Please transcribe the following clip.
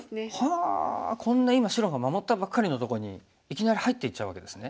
あこんな今白が守ったばっかりのとこにいきなり入っていっちゃうわけですね。